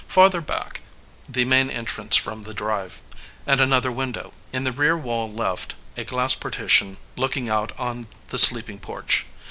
Farther back, the main entrance from the drive, and another window. In the rear wall left, a glass partition looking out on the sleeping porch.